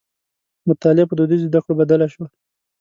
مطالعه په دودیزو زدکړو بدله شوه.